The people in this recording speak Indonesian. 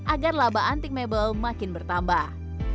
agar laba antik mebel makin bertambah